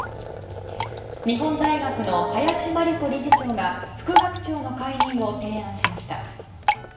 日本大学の林真理子理事長が副学長の解任を提案しました。